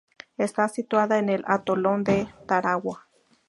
Está situada en el atolón de Tarawa.